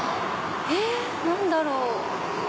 えっ何だろう？